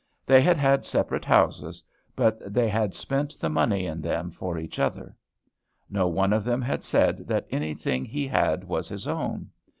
They had had separate houses, but they had spent the money in them for each other. No one of them had said that anything he had was his own.